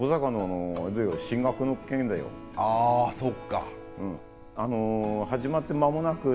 あそっか。